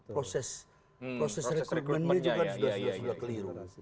proses rekrutmennya juga kan sudah keliru